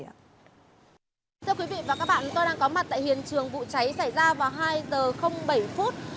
thưa quý vị và các bạn tôi đang có mặt tại hiện trường vụ cháy xảy ra vào hai giờ bảy phút